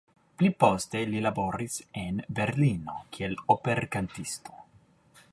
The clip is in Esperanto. Pli poste li laboris en Berlino kiel operkantisto.